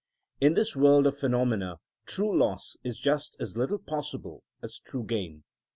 In this world of phenomena true loss is just as little possible as true gain.